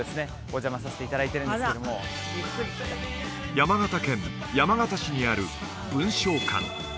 お邪魔させていただいてるんですけども山形県山形市にある文翔館